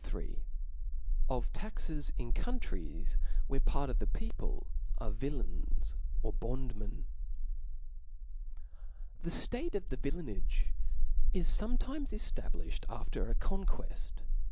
III. Of Taxes in Countries tvhere . Part of the People are Vijlains or Bondmen. nr^ HE ftate of villainage is forfletimes eftablifli ^ cd after a conqueft.